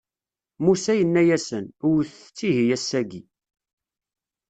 Musa yenna-yasen: wwtet-tt ihi, ass-agi.